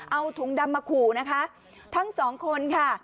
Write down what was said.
เอาถุงดำมาขู่นะคะทั้งสองคนค่ะ